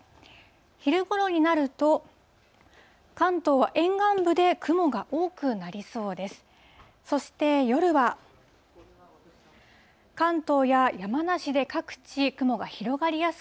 昼ごろになると、関東は沿岸部で雲が多くなりそうです。